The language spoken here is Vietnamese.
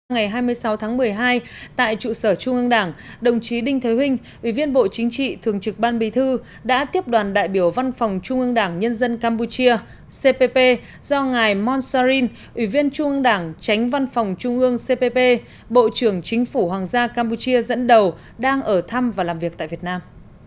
ngày hai mươi sáu tháng một mươi hai tại trụ sở trung ương đảng đồng chí đinh thế huynh ủy viên bộ chính trị thường trực ban bì thư đã tiếp đoàn đại biểu văn phòng trung ương đảng nhân dân campuchia cpp do ngài monsarin ủy viên trung ương đảng tránh văn phòng trung ương cpp bộ trưởng chính phủ hoàng gia campuchia dẫn đầu đang ở thăm và làm việc tại việt nam